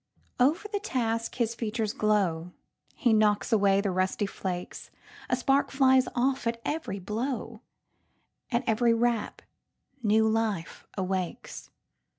Over the task his features glow; He knocks away the rusty flakes;A spark flies off at every blow; At every rap new life awakes.